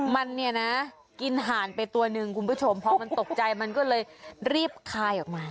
มันเนี่ยนะกินห่านไปตัวหนึ่งคุณผู้ชมพอมันตกใจมันก็เลยรีบคายออกมา